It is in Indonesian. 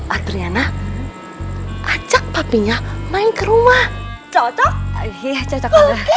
adriana ajak papinya main ke rumah cocok cocok